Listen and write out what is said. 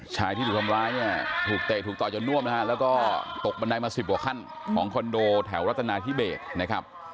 ชายที่ถูกทำร้ายเนี่ยถูกเตะถูกต่อยจนน่วมนะฮะแล้วก็ตกบันไดมาสิบกว่าขั้นของคอนโดแถวรัฐนาธิเบสนะครับ